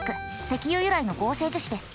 石油由来の合成樹脂です。